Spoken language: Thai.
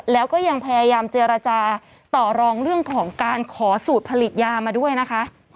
แล้วก็ยังพยายามเจรจาต่อรองเรื่องของการขอสูตรผลิตยามาด้วยนะคะ